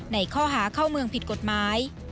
ในข้อหาเข้าเมืองผิดกฎหมาย